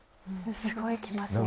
すごい着ますね。